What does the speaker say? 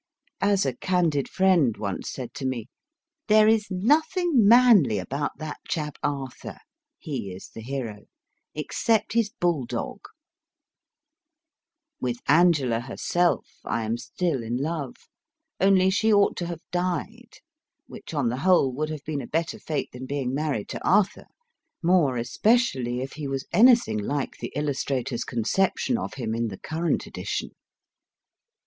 As a candid friend once said to me, There is nothing manly about that chap, Arthur he is the hero except his bull dog ! With Angela herself I am still in love ; only she ought to have died, which, on the whole, would have been a better fate than being married to Arthur, more especially if he was anything like the illustrator s conception of him in the current edition.